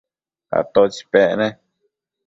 ¿atótsi pec ne?